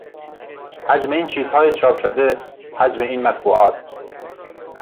حجم این چیزهای چاپ شده، حجم این مطبوعات